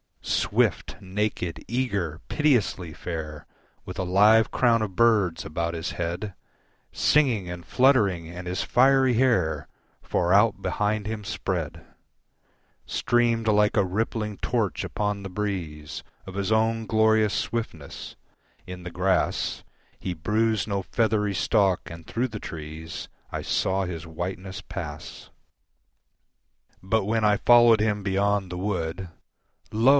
Swift, naked, eager, pitilessly fair, With a live crown of birds about his head, Singing and fluttering, and his fiery hair, Far out behind him spread, Streamed like a rippling torch upon the breeze Of his own glorious swiftness: in the grass He bruised no feathery stalk, and through the trees I saw his whiteness pass. But when I followed him beyond the wood, Lo!